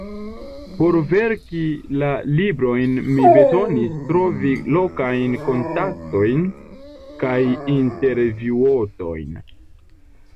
Por verki la librojn mi bezonis trovi lokajn kontaktojn kaj intervjuotojn.